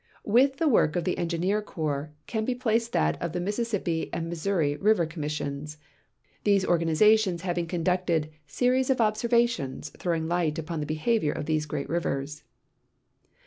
^^'ith the work of the Engineer Corps can l)e placed that of the INIississippi and Missouri River Commissions, these organizations having conducted series of observations throwing light upon the behavior of these great rivers.